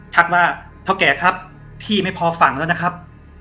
ทักว่าเท่าแก่ครับพี่ไม่พอฝั่งแล้วนะครับ